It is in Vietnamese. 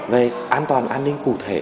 về an toàn an ninh cụ thể